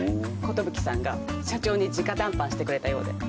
寿さんが社長に直談判してくれたようで。